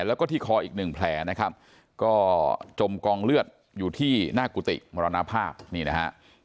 แล้วก็ที่คออีกหนึ่งแผลนะครับก็จมกองเลือดอยู่ที่หน้ากุฏิมรณภาพนี่นะฮะ